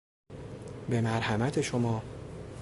به مرحمت شما